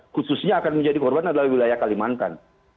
khususnya akan menjadi korban adalah wilayah kalimantan